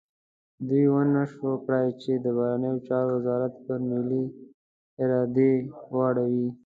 دوی ونه شو کړای چې د بهرنیو چارو وزارت پر ملي ارادې واړوي.